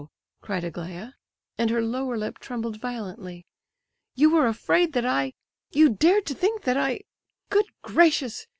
cried Aglaya—and her lower lip trembled violently. "You were afraid that I—you dared to think that I—good gracious!